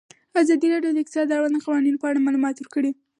ازادي راډیو د اقتصاد د اړونده قوانینو په اړه معلومات ورکړي.